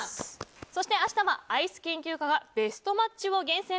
そして明日は、アイス研究家がベストマッチを厳選。